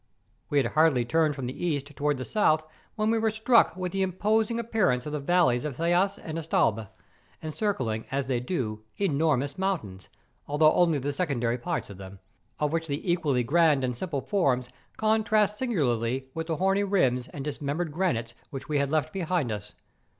We had hardly turned from the east towards the south when we were struck with the imposing ap¬ pearance of the valleys of Heas and of Estaube, en¬ circling, as they do, enormous mountains, although only the secondary parts of them: of which the ecpially grand and simple forms contrast singularly with the horny ruins and dismembered granites which we had left behind us.